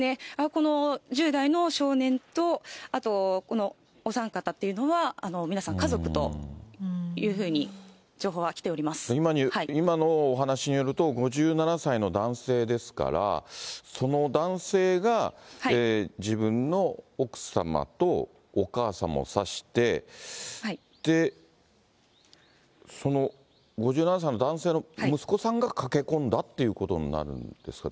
この１０代の少年と、あとこのお三方っていうのは、皆さん、家族というふうに情報は来今のお話によると、５７歳の男性ですから、その男性が自分の奥様とお母様を刺して、その５７歳の男性の息子さんが駆け込んだっていうことになるんですか。